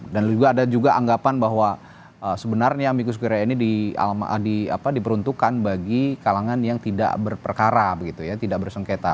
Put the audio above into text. dan juga ada juga anggapan bahwa sebenarnya amikus karya ini di peruntukan bagi kalangan yang tidak berperkara begitu ya tidak bersengketa